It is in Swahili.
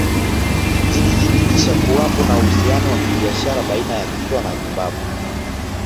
Zilithibitisha kuwapo kwa uhusiano wa kibiashara baina ya Kilwa na Zimbabwe